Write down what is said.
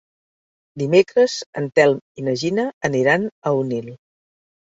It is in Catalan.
Dimecres en Telm i na Gina aniran a Onil.